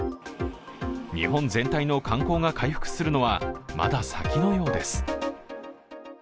日本全体の観光が回復するのは、まだ先のようです。